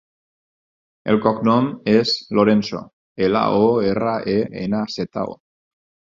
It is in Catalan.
El cognom és Lorenzo: ela, o, erra, e, ena, zeta, o.